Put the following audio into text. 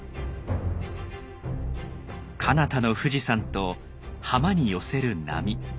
かなたの富士山と浜に寄せる波。